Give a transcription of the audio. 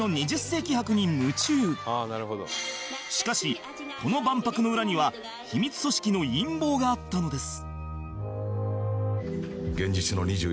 しかしこの万博の裏には秘密組織の陰謀があったのです